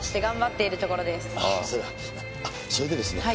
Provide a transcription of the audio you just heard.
あっそれでですね